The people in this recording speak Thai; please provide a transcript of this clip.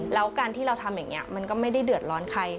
แล้วการที่เราทำอย่างนี้มันก็ไม่ได้เดือดร้อนใคร